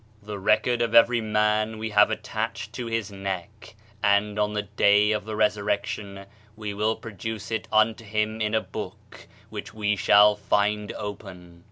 "The record of every man we have attached to his neck and on the day of the resurrection, we will produce it unto him in a book which we shall find open."